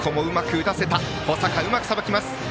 保坂、うまくさばきます。